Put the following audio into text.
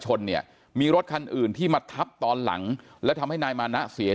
ชนเนี่ยมีรถคันอื่นที่มาทับตอนหลังและทำให้นายมานะเสีย